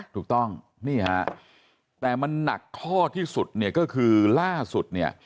ถูกต้องนี่ฮะแต่มันหนักข้อที่สุดก็คือล่าสุด